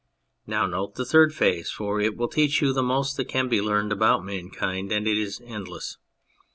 Now note the third phase, for it will teach you the most that can be learnt about mankind, and it is endless.